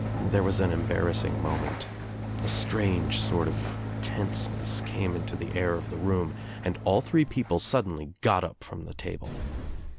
There was an embarrassing moment. A strange sort of tenseness came into the air of the room and all three people suddenly got up from the table.